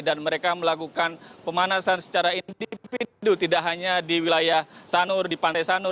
dan mereka melakukan pemanasan secara individu tidak hanya di wilayah sanur di pantai sanur